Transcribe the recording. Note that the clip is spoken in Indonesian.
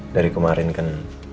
dari kemarin kan